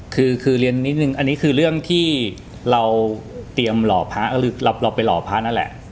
คือเรียนนิดนึงอันนี้คือเรื่องที่เราไปหล่อพระนั่นแหละ